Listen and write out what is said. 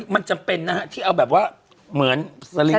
มันจำเป็นนะฮะที่เอาแบบว่าเหมือนสลิง